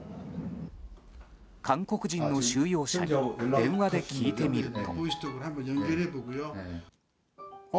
韓国人の収容者に電話で聞いてみると。